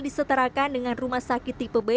disetarakan dengan rumah sakit tipe b